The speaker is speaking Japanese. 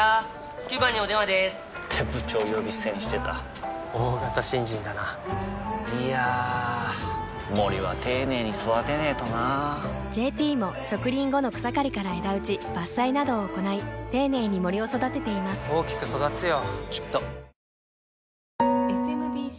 ９番にお電話でーす！って部長呼び捨てにしてた大型新人だないやー森は丁寧に育てないとな「ＪＴ」も植林後の草刈りから枝打ち伐採などを行い丁寧に森を育てています大きく育つよ